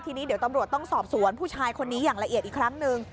ทีนี้เดี๋ยวตำรวจต้องสอบสวนผู้ชายคนนี้อย่างละเอียดอีกครั้งหนึ่ง